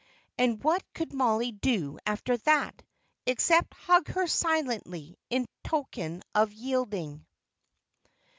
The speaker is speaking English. And what could Mollie do after that, except hug her silently, in token of yielding?